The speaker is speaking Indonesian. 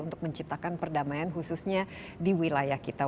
untuk menciptakan perdamaian khususnya di wilayah kita